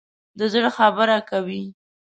د زړه خبره کوي.